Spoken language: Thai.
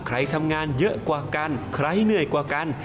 ใครทำงานเยอะกว่ากันใครเหนื่อยกว่ากัน